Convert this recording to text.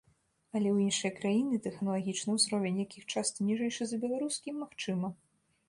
Але ў іншыя краіны, тэхналагічны ўзровень якіх часта ніжэйшы за беларускі, магчыма.